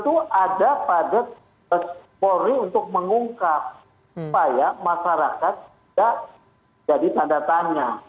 itu ada pada polri untuk mengungkap supaya masyarakat tidak jadi tanda tanya